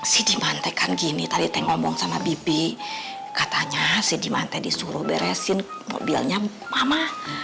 sidimante kan gini tadi teng ngomong sama bibi katanya sidimante disuruh beresin mobilnya mama